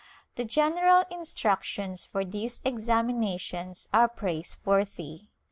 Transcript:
The general instructions for these examinations are praiseworthy.